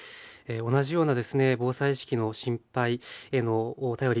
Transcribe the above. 同じようなですね防災意識の心配へのお便り